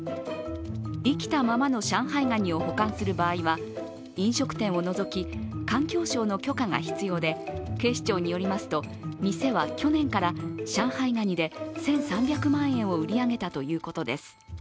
生きたままの上海ガニを保管する場合は、飲食店を除き、環境省の許可が必要で警視庁によりますと、店は去年から上海ガニで１３００万円を売り上げたということです。